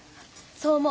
そう思う。